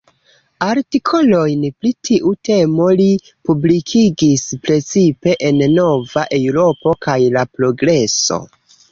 Artikolojn pri tiu temo li publikigis precipe en "Nova Eŭropo" kaj "La Progreso.